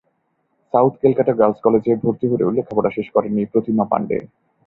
South Calcutta girls কলেজে ভর্তি হলেও লেখাপড়া শেষ করেননি প্রতিমা পাণ্ডে।